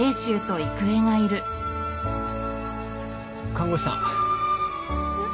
看護師さん。